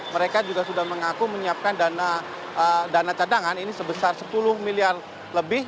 mereka juga sudah mengaku menyiapkan dana cadangan ini sebesar sepuluh miliar lebih